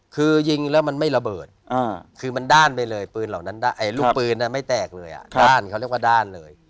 คือยิงแล้วมันไม่ระเบิดคือมันด้านไปเลยลูกปืนไม่แตกเลยด้านเขาเรียกว่าด้านเลย